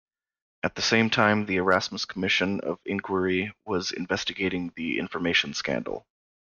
At the same time the Erasmus Commission of Inquiry was investigating the Information scandal.